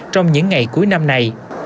trong những ngày cuối năm nay